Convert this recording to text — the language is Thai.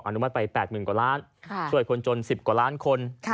นุมัติไป๘๐๐๐กว่าล้านช่วยคนจน๑๐กว่าล้านคน